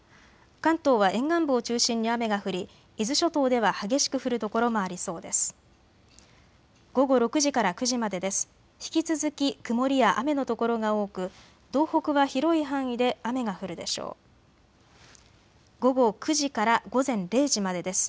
関東は沿岸部を中心に雨が降り伊豆諸島では激しく降る所もありそうです。